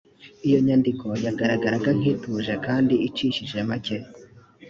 iyo nyandiko yagaragaraga nk ituje kandi icishije make